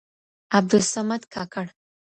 عبدالصمدکاکړ